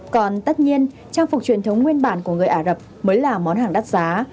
còn tất nhiên trang phục truyền thống nguyên bản của người ả rập mới là món hàng đắt giá